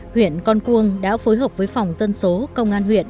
huyện con cuông đã phối hợp với phòng dân số công an huyện